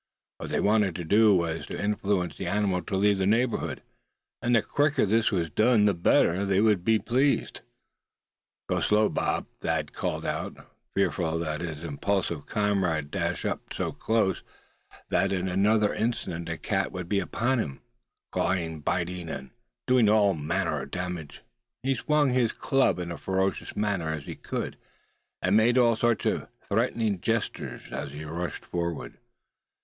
What they wanted to do was to influence the animal to leave the neighborhood, and the quicker this were done the better they would be pleased. "Go slow, Bob!" Thad called out, fearful lest his impulsive comrade dash up so close that in another instant the cat would be upon him, clawing, biting, and doing all manner of damage. He swung his club in as ferocious a manner as he could, and made all sorts of threatening gestures as he rushed forward.